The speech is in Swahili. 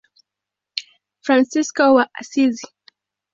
Fransisko wa Asizi.